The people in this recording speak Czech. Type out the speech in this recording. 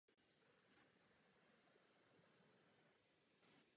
Název znamená "sněhová hora".